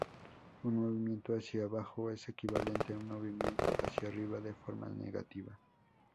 Un movimiento hacia abajo es equivalente a un movimiento hacia arriba de forma negativa.